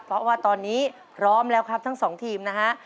เพราะว่าตอนนี้พร้อมแล้วครับทั้งสองทีมนะฮะ